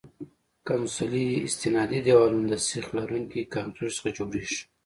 کنسولي استنادي دیوالونه د سیخ لرونکي کانکریټو څخه جوړیږي